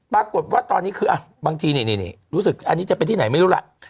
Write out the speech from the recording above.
ปรากฏว่าตอนนี้คือบางทีนี่รู้สึกอันนี้จะเป็นที่ไหนไม่รู้ล่ะ